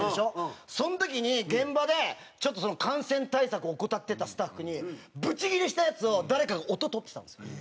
その時に現場でちょっと感染対策を怠ってたスタッフにブチギレしたやつを誰かが音とってたんですよ。